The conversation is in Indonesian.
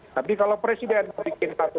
tapi kalau presiden bikin satu